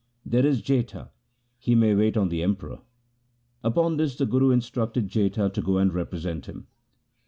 There is Jetha; he may wait on the Emperor.' Upon this the Guru instructed Jetha to go and represent him.